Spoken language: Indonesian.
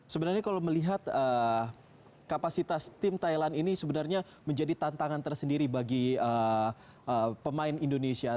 sebenarnya kalau melihat kapasitas tim thailand ini sebenarnya menjadi tantangan tersendiri bagi pemain indonesia